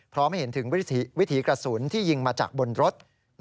ให้เห็นถึงวิถีกระสุนที่ยิงมาจากบนรถ